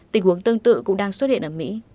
tình huống tương tự cũng đang xuất hiện ở mỹ